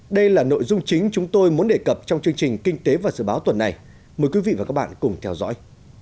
đây là nội dung chính chúng tôi muốn đề cập trong chương trình kinh tế và dự báo tuần này mời quý vị và các bạn cùng theo dõi